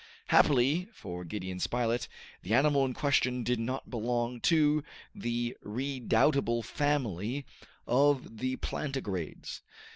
Happily for Gideon Spilett, the animal in question did not belong to the redoubtable family of the plantigrades.